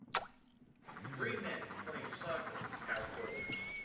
Three men playing soccer outdoors.